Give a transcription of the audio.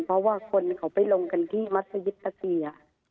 เพราะว่าคนเขาไปลงกันที่มัศยิตตะเกีย